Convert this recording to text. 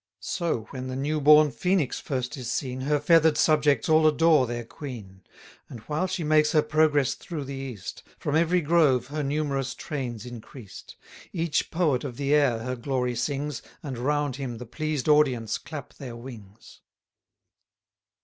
So when the new born Phoenix first is seen, Her feather'd subjects all adore their queen; And while she makes her progress through the east, From every grove her numerous train's increased; Each poet of the air her glory sings, And round him the pleased audience clap their wings.